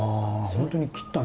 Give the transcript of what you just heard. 本当に切ったね